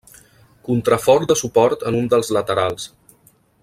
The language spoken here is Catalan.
Contrafort de suport en un dels laterals.